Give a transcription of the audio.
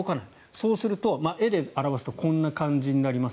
そうすると、絵で表すとこんな感じなります。